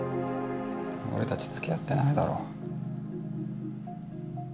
俺たちつきあってないだろ？